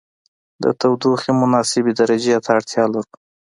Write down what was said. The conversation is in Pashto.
د تودوخې مناسبې درجې ته اړتیا لرو.